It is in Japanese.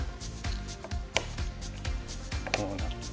こうなって。